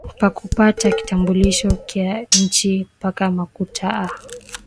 Pakupata kitambulisho kya inchi paka makuta ah